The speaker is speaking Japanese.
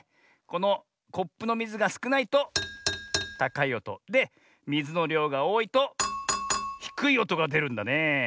このコップのみずがすくないとたかいおと。でみずのりょうがおおいとひくいおとがでるんだねえ。